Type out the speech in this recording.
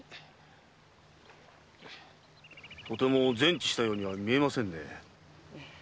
とても全治したようには見えませんね。